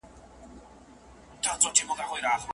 صالحه میرمن د کورنۍ د غړو، او ميلمنو سره ښه چلند کوي.